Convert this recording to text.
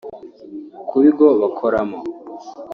ku bigo bakoramo